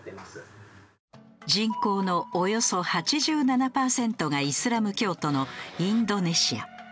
人口のおよそ８７パーセントがイスラム教徒のインドネシア。